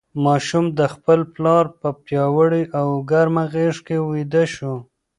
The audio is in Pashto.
ماشوم د خپل پلار په پیاوړې او ګرمه غېږ کې ویده شو.